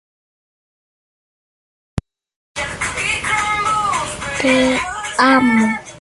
La sede del condado es Linn.